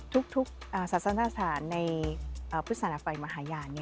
ทุกศาสนศาสถานในพฤษฎภัยมหายา